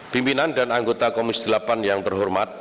pimpinan dan anggota komisi delapan yang berhormat